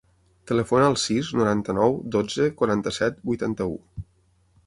Telefona al sis, noranta-nou, dotze, quaranta-set, vuitanta-u.